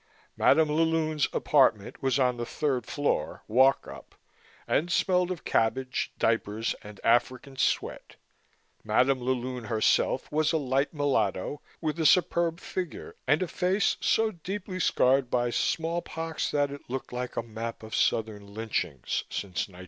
Madam la Lune's apartment was on the third floor, walk up, and smelled of cabbage, diapers and African sweat. Madam la Lune herself was a light mulatto with a superb figure and a face so deeply scarred by smallpox that it looked like a map of Southern lynchings since 1921.